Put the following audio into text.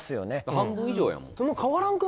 半分以上やもん